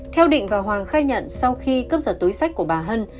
theo định và hoàng khai nhận sau khi cướp giật túi sách của bà hân